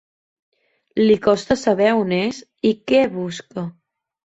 Li costa saber on és i què busca.